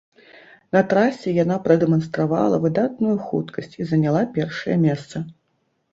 На трасе яна прадэманстравала выдатную хуткасць і заняла першае месца.